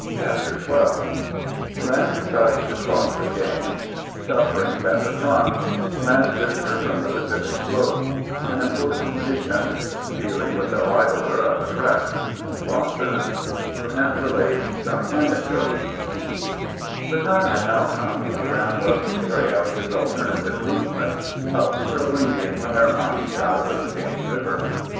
CHAPTER XII GRANT DECIDES TO CEOSS THE JAMES — SUFFEEINGS AT THE FEONT — GEANT'S VISITOE FEOM THE PACIFIC SLOPE — AN IMPOETANT mission — DEALING WITH A LIBELEE OF THE PEESS — LOSSES — GEANT EELATES SOME AN ECDOTES THE time had now come when Grant was to carry out his alternative movement of throwing the entire army south of the James Eiver.